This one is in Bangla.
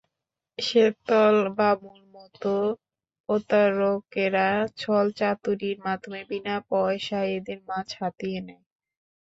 শেতল বাবুর মতো প্রতারকেরা ছল-চাতুরীর মাধ্যমে বিনা পয়সায় এদের মাছ হাতিয়ে নেয়।